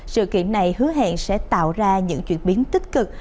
sự kiện này hứa hẹn sẽ tạo ra những chuyển biến tích cực